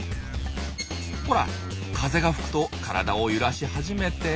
ほら風が吹くと体を揺らし始めて。